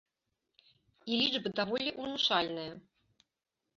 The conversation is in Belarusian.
І лічбы даволі ўнушальныя.